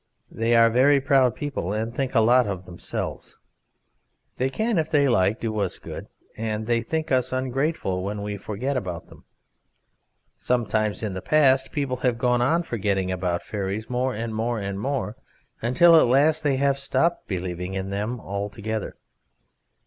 They are very proud people, and think a lot of themselves. They can, if they like, do us good, and they think us ungrateful when we forget about them. Sometimes in the past people have gone on forgetting about fairies more and more and more, until at last they have stopped believing in them altogether.